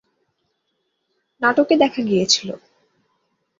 নাটকে দেখা গিয়েছিলো।